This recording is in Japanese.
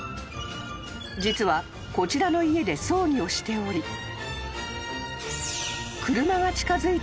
［実はこちらの家で葬儀をしており］